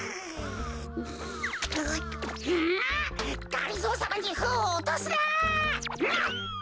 がりぞーさまにフンをおとすな！